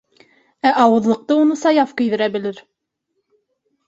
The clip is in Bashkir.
Ә ауыҙлыҡты уны Саяф кейҙерә белер.